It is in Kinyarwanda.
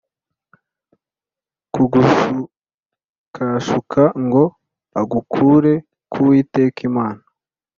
Kugushukashuka ngo agukure ku uwiteka imana